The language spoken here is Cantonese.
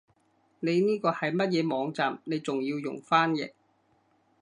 你呢個係乜嘢網站你仲要用翻譯